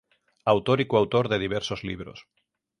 Autor y coautor de diversos libros.